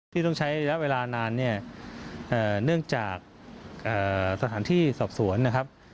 ที่ต้องใช้ระยะเวลานานเนี่ยเนื่องจากสถานที่สอบสวนนะครับ